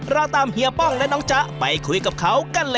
เราตามเฮียป้องและน้องจ๊ะไปคุยกับเขากันเลย